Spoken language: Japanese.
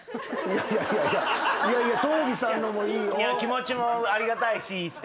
気持ちもありがたいし。